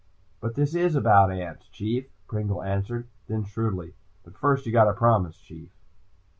"But this is about ants, Chief," Pringle answered. Then shrewdly, "But first you gotta promise, Chief."